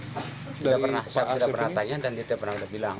tidak pernah saya tidak pernah tanya dan dia tidak pernah udah bilang